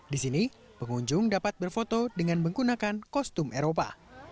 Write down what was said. di sini pengunjung dapat berfoto dengan menggunakan kostum eropa